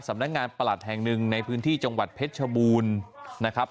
ประหลัดแห่งหนึ่งในพื้นที่จังหวัดเพชรชบูรณ์นะครับ